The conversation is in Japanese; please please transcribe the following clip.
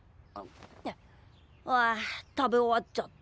ああ食べ終わっちゃった。